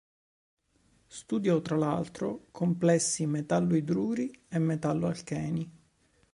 Studiò tra l'altro complessi metallo-idruri e metallo-alcheni.